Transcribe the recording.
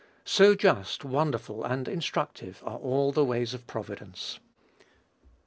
So just, wonderful, and instructive are all the ways of providence."